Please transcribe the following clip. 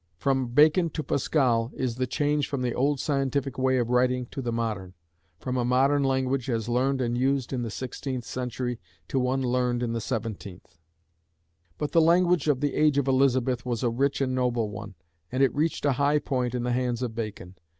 From Bacon to Pascal is the change from the old scientific way of writing to the modern; from a modern language, as learned and used in the 16th century, to one learned in the 17th. But the language of the age of Elizabeth was a rich and noble one, and it reached a high point in the hands of Bacon.